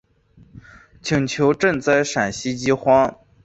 请求赈灾陕西饥荒。